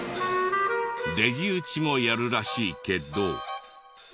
レジ打ちもやるらしいけど。